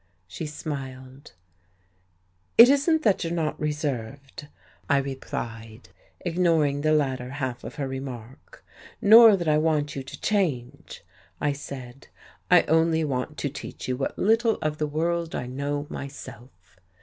She smiled. "It isn't that you're not reserved," I replied, ignoring the latter half of her remark. "Nor that I want you to change," I said. "I only want to teach you what little of the world I know myself."